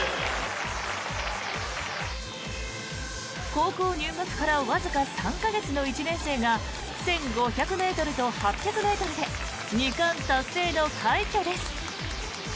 高校入学からわずか３か月の１年生が１５００ｍと８００ｍで２冠達成の快挙です。